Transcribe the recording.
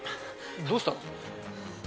どうしたの？